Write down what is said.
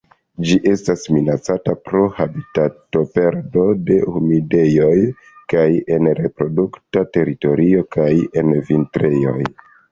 Ĝi estas minacata pro habitatoperdo de humidejoj kaj en reprodukta teritorio kaj en vintrejoj.